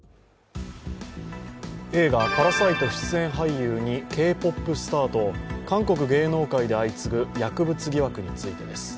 映画「パラサイト」出演俳優にＫ−ＰＯＰスターと韓国芸能界で相次ぐ薬物疑惑についてです。